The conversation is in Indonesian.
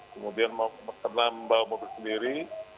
kemudian karena membawa mobil sendiri